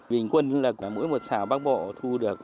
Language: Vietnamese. vình quân là mỗi một sả bác bộ thu được